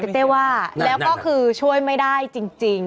เต้ว่าแล้วก็คือช่วยไม่ได้จริง